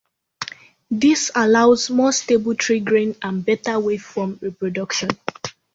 This allows more stable triggering and better waveform reproduction.